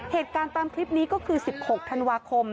เหตุการณ์ตามคลิปนี้ก็คือ๑๖ธค